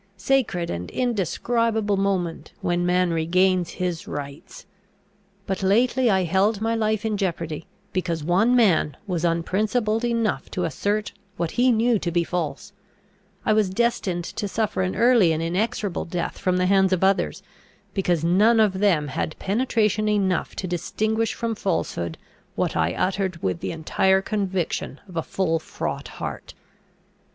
Sacred and indescribable moment, when man regains his rights! But lately I held my life in jeopardy, because one man was unprincipled enough to assert what he knew to be false; I was destined to suffer an early and inexorable death from the hands of others, because none of them had penetration enough to distinguish from falsehood, what I uttered with the entire conviction of a full fraught heart!